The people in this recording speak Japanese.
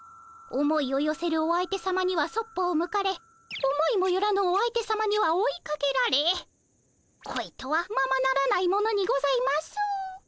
思いをよせるお相手さまにはそっぽを向かれ思いもよらぬお相手さまには追いかけられこいとはままならないものにございます。